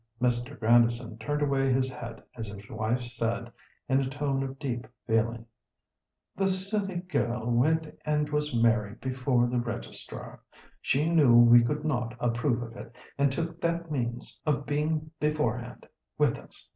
Mr. Grandison turned away his head as his wife said, in a tone of deep feeling, "The silly girl went and was married before the Registrar. She knew we could not approve of it, and took that means of being beforehand with us.